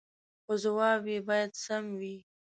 خو جواب يې باید سم وي